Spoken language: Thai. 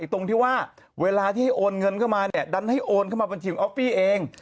ตรงที่ว่าเวลาที่โอนเงินเข้ามาเนี่ยดันให้โอนเข้ามาบัญชีของออฟฟี่เอง